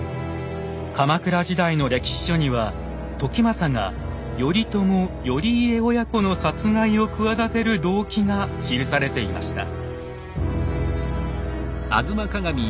鎌倉時代の歴史書には時政が頼朝・頼家親子の殺害を企てる動機が記されていました。